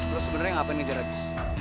lo sebenernya ngapain ngejar aks